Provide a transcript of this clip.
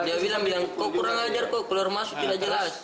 dia bilang bilang kok kurang ajar kok keluar masuk tidak jelas